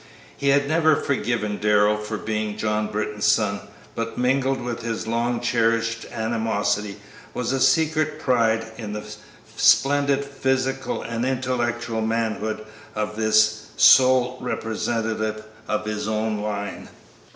He had never forgiven Darrell for being John Britton's son, but mingled with his long cherished animosity was a secret pride in the splendid physical and intellectual manhood of this sole representative of his own line.